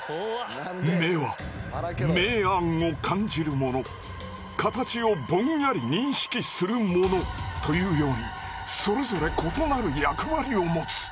眼は明暗を感じるもの形をぼんやり認識するものというようにそれぞれ異なる役割を持つ。